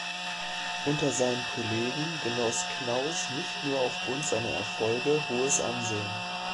Unter seinen Kollegen genoss Knauß nicht nur Aufgrund seiner Erfolge hohes Ansehen.